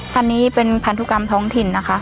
อันนี้เป็นพันธุกรรมท้องถิ่นนะคะ